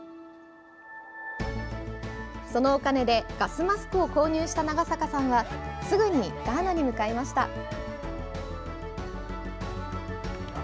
そのお金でガスマスクを購入した長坂さんはすぐにガーナに向かいました。